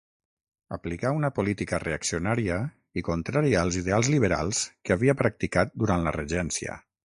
Aplicà una política reaccionària i contrària als ideals liberals que havia practicat durant la Regència.